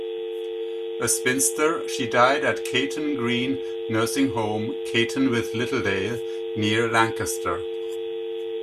A spinster, she died at Caton Green Nursing Home, Caton-with-Littledale, near Lancaster.